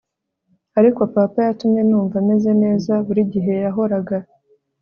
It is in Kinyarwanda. Ariko Papa yatumye numva meze neza burigihe yahoraga